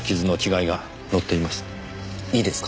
いいですか。